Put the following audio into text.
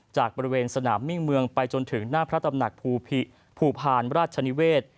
จากบริเวณสนามมิ่งเมืองไปจนถึงหน้าพระตำหนักภูพาลราชนิเวศ